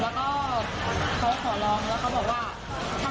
แล้วก็เขาขอร้องแล้วเขาบอกว่า